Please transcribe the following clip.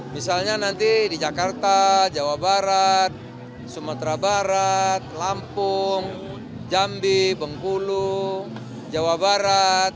misalnya nanti di jakarta jawa barat sumatera barat lampung jambi bengkulu jawa barat